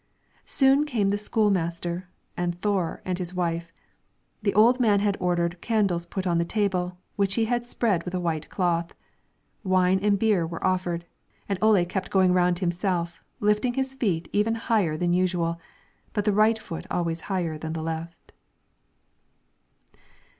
Soon came the school master, and Thore and his wife. The old man had ordered candles put on the table, which he had had spread with a white cloth. Wine and beer were offered, and Ole kept going round himself, lifting his feet even higher than usual; but the right foot always higher than the left.